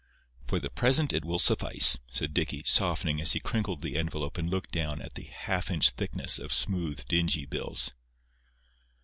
"For the present it will suffice," said Dicky, softening as he crinkled the envelope and looked down at the half inch thickness of smooth, dingy bills.